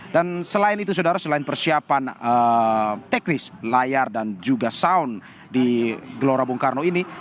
dan selain itu saudara selain persiapan teknis layar dan juga sound di gelora bung karno ini